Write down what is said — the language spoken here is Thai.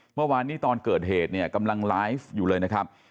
เมื่อวานนี้ตอนเกิดเหตุเนี่ยกำลังไลฟ์อยู่เลยนะครับ